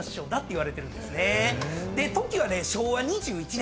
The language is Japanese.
で時はね。